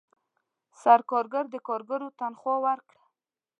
سرکارګر د کارګرو تنخواه ورکړه.